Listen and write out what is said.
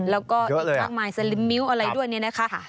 แล้วก็อีกมากมายสลิมมิ้วอะไรด้วยเนี่ยนะคะ